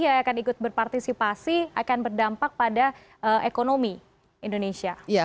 yang akan ikut berpartisipasi akan berdampak pada ekonomi indonesia